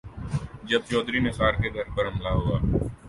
جب چوہدری نثار کے گھر پر حملہ ہوا۔